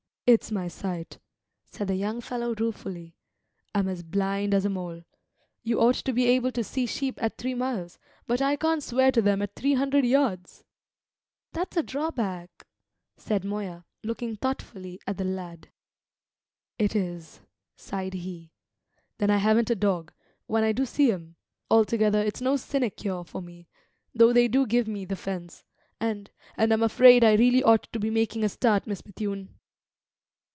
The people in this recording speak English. It's my sight," said the young fellow ruefully; "I'm as blind as a mole. You ought to be able to see sheep at three miles, but I can't swear to them at three hundred yards." "That's a drawback," said Moya, looking thoughtfully at the lad. "It is," sighed he. "Then I haven't a dog, when I do see 'em; altogether it's no sinecure for me, though they do give me the fence; and and I'm afraid I really ought to be making a start, Miss Bethune."